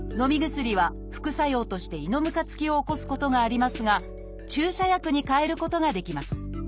薬は副作用として「胃のむかつき」を起こすことがありますが注射薬にかえることができます。